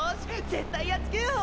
絶対やっつけよう！